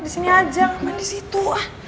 di sini aja ngapain di situ